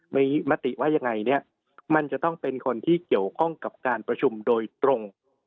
มีมติว่ายังไงเนี่ยมันจะต้องเป็นคนที่เกี่ยวข้องกับการประชุมโดยตรง